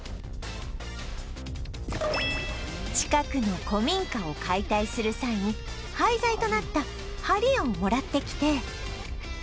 近くの古民家を解体する際に廃材となった梁をもらってきて